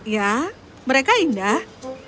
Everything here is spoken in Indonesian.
ya mereka indah